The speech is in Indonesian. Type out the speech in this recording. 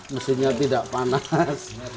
mesinnya tidak panas